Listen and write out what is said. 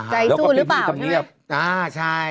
ใจสู้หรือเปล่าใช่ไหม